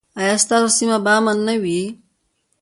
ایا ستاسو سیمه به امن نه وي؟